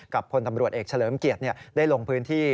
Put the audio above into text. พลตำรวจเอกเฉลิมเกียรติได้ลงพื้นที่